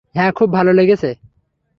হ্যাঁ, খুব ভালো লেগেছে।